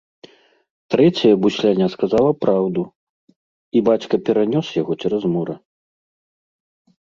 Трэцяе бусляня сказала праўду, і бацька перанёс яго цераз мора.